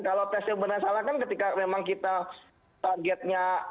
kalau tesnya benar salah kan ketika memang kita targetnya